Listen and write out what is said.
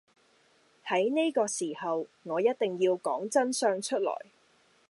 喺呢個時候我一定要講真相出來